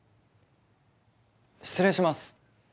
失礼します。